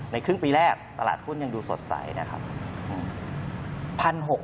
ครึ่งปีแรกตลาดหุ้นยังดูสดใสนะครับ